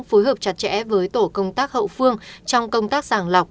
phối hợp chặt chẽ với tổ công tác hậu phương trong công tác sàng lọc